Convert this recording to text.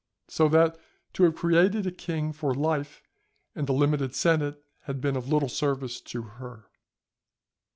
So that to have created a king for life and a limited senate had been of little service to her.